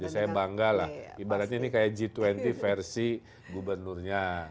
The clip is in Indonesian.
saya bangga lah ibaratnya ini kayak g dua puluh versi gubernurnya